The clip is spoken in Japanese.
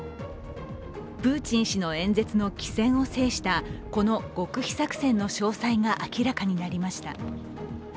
プーチン氏の演説の機先を制したこの極秘作戦の詳細が明らかになりました。